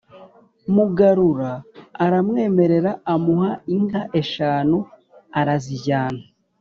mugarura aramwemerera, amuha inka eshanu, arazijyana.